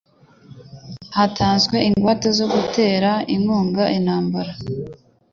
Hatanzwe ingwate zo gutera inkunga intambara.